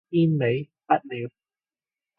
煙味不了